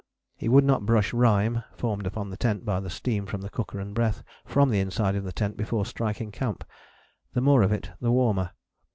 He would not brush rime, formed upon the tent by the steam from the cooker and breath, from the inside of tent before striking camp. The more of it the warmer.